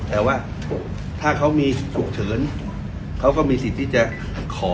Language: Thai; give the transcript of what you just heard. แต่ว่าถ้าเขามีฉุกเฉินเขาก็มีสิทธิ์ที่จะขอ